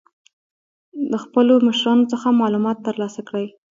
له خپلو مشرانو څخه معلومات تر لاسه کړئ.